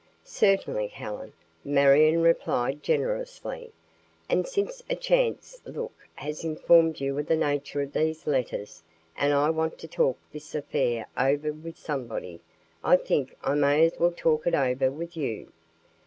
"Certainly, Helen," Marion replied generously, "and since a chance look has informed you of the nature of these letters and I want to talk this affair over with somebody, I think I may as well talk it over with you.